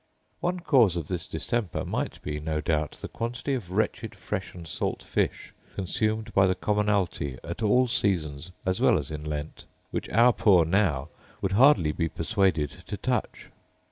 One cause of this distemper might be, no doubt, the quantity of wretched fresh and salt fish consumed by the commonalty at all seasons as well as in Lent; which our poor now would hardly be persuaded to touch.